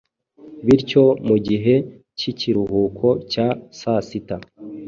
bityo mu gihe cy'ikiruhuko cya sasita,